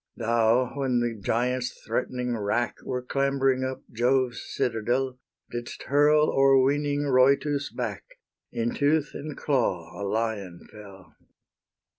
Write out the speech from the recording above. Thou, when the giants, threatening wrack, Were clambering up Jove's citadel, Didst hurl o'erweening Rhoetus back, In tooth and claw a lion fell.